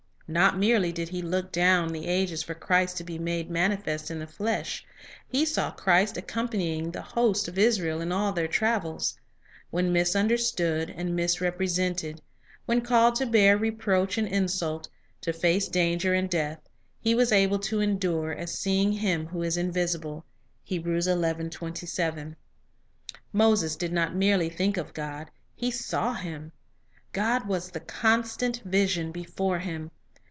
Not merely did he look down the ages for Christ to be made manifest in the flesh ; he saw Christ accom panying the host of Israel in all their travels. When misunderstood and misrepresented, when called to bear reproach and insult, to face danger and death, he was able to endure "as seeing Him who is invisible." 1 Moses did not merely think of God, he saw Him. God was the constant vision before him.